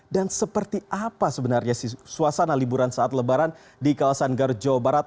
dan seperti apa sebenarnya suasana liburan saat lebaran di kawasan garut jawa barat